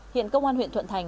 hiện công an huyện thuận thành